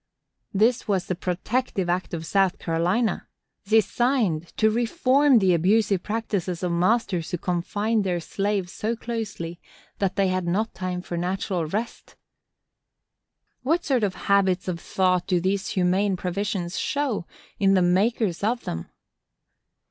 This was the protective act of South Carolina, designed to reform the abusive practices of masters who confined their slaves so closely that they had not time for natural rest! What sort of habits of thought do these humane provisions show, in the makers of them?